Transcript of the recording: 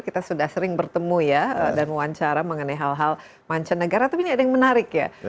kita sudah sering bertemu ya dan wawancara mengenai hal hal mancanegara tapi ini ada yang menarik ya